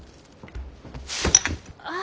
ああ。